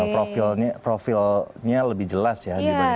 profilnya lebih jelas ya dibandingin